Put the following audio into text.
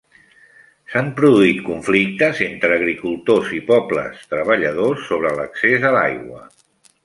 S'han produït conflictes entre agricultors i pobles treballadors sobre l'accés a l'aigua.